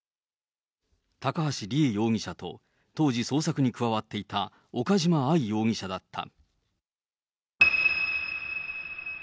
高橋里衣容疑者と当時、捜索に加わっていた岡島愛容疑者だった。